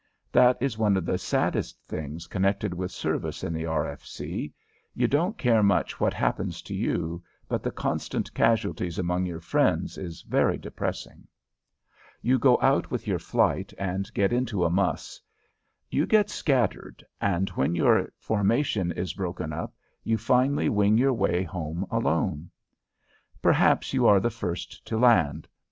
That is one of the saddest things connected with service in the R. F. C. You don't care much what happens to you, but the constant casualties among your friends is very depressing. You go out with your "flight" and get into a muss. You get scattered and when your formation is broken up you finally wing your way home alone. Perhaps you are the first to land.